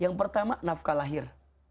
yang pertama nafkah lahir